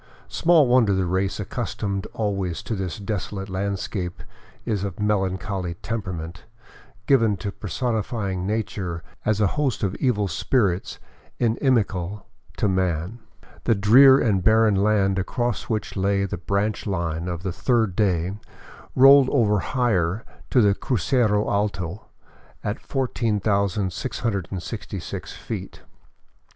Small wonder the race accustomed always to this desolate landscape is of melancholy temperament, given to personifying nature as a host of evil spirits inimical to man. The drear and barren land across which lay the branch line of the third day rolled ever higher to the Crucero Alto at 14,666 feet.